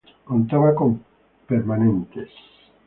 Contaba con permanentes.